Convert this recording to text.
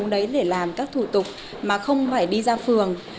đấy để làm các thủ tục mà không phải đi ra phường